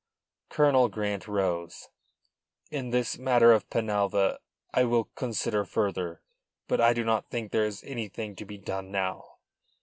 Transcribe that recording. Colonel Grant rose. "In this matter of Penalva, I will consider further. But I do not think there is anything to be done now.